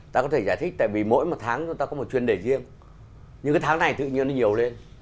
ta có thể giải thích tại vì mỗi một tháng chúng ta có một chuyên đề riêng nhưng cái tháng này tự nhiên nó nhiều lên